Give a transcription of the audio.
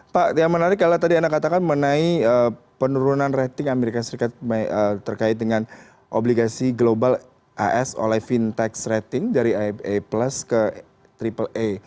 pak yang menarik kalau tadi anda katakan menai penurunan rating amerika serikat terkait dengan obligasi global as oleh fintech rating dari ipa plus ke triple a